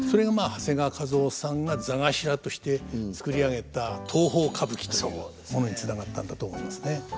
長谷川一夫さんが座頭として作り上げた東宝歌舞伎というものにつながったんだと思いますね。